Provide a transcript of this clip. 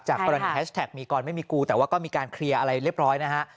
กรณีแฮชแท็กมีกรไม่มีกูแต่ว่าก็มีการเคลียร์อะไรเรียบร้อยนะฮะ